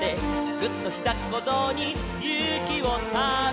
「ぐっ！とひざっこぞうにゆうきをため」